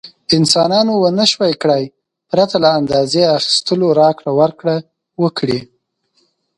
انسانانو ونشو کړای پرته له اندازې اخیستلو راکړه ورکړه وکړي.